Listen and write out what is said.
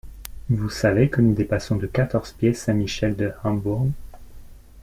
Vous savez que nous dépassons de quatorze pieds Saint-Michel de Hambourg ?